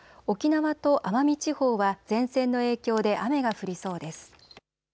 沖縄と奄美地方は、前線の影響で雨が降りそうです。